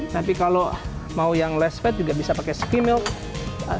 tapi kalau mau yang less fat juga bisa pakai skim milk